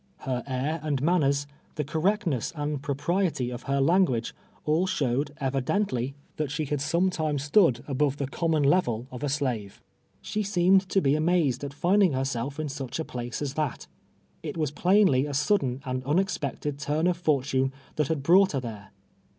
Her air and manners, the cor rectness and proj^riety of her language — all showed, evideutly, that she had sometime stood above the srATi:i:xAL soukows. 51 c<">iiini()n level of a shive. She seeiueJ to be amazed at tiiuling lier^eit' in sncli a place as that. It was ]ilaiiily a sudden and unexpected turn ot'iortune that Iiad brought her there.